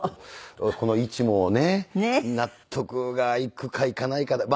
この位置もね納得がいくかいかないかで。